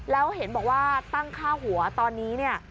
แล้วเห็นบอกว่าตั้งค่าหัวตอนนี้เนี่ย